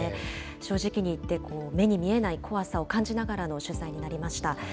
正直に言って、目に見えない怖さを感じながらの取材になりました。